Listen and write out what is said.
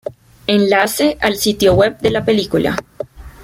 Enlace al sitio web de la película